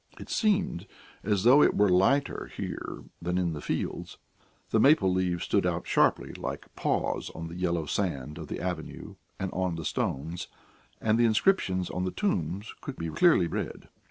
It seemed as though it were lighter here than in the fields; the maple leaves stood out sharply like paws on the yellow sand of the avenue and on the stones, and the inscriptions on the tombs could be clearly read.